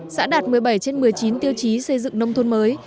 xã đạt một mươi bảy trên một mươi chín tiêu chí xây dựng nông thôn mới